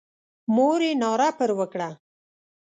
مور یې ناره پر وکړه.